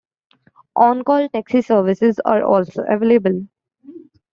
On-Call taxi services are also available.